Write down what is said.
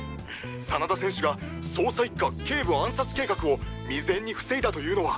真田選手が捜査一課警部暗殺計画を未然に防いだというのは？